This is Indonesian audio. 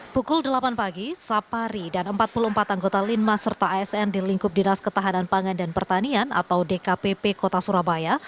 pukul delapan pagi sapari dan empat puluh empat anggota linmas serta asn di lingkup dinas ketahanan pangan dan pertanian atau dkpp kota surabaya